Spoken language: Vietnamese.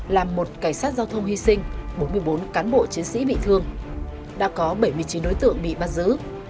làm một cảnh sát giao thông hy sinh bốn mươi bốn cán bộ chiến sĩ bị thương đã có bảy mươi chín đối tượng bị bắt giữ